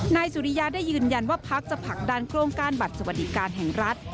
นายสุริยาได้ยืนยันว่าพักจะผลักดันโครงการบัตรสวัสดิการแห่งรัฐ